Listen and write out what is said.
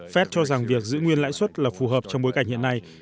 fed cho rằng việc giữ nguyên lãi suất là phù hợp trong bối cảnh hiện nay